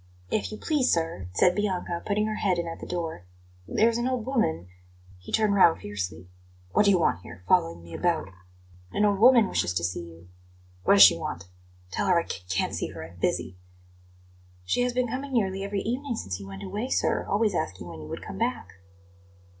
"If you please, sir," said Bianca, putting her head in at the door, "there's an old woman " He turned round fiercely. "What do you want here following me about?" "An old woman wishes to see you." "What does she want? Tell her I c can't see her; I'm busy." "She has been coming nearly every evening since you went away, sir, always asking when you would come back."